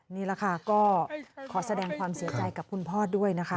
นี่แหละค่ะก็ขอแสดงความเสียใจกับคุณพ่อด้วยนะคะ